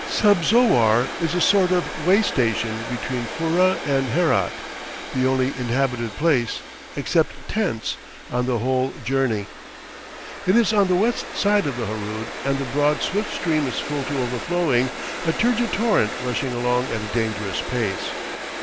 Subzowar is a sort of way station between Furrah and Herat, the only inhabited place, except tents, on the whole journey. It is on the west side of the Harood and the broad, swift stream is full to overflowing, a turgid torrent rushing along at a dangerous pace.